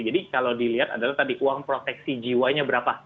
jadi kalau dilihat adalah tadi uang proteksi jiwanya berapa